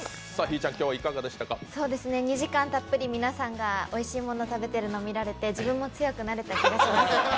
２時間たっぷり皆さんがおいしいものを食べているのを見られて自分も強くなれた気がします。